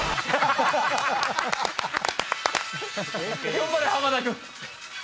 頑張れ濱田君！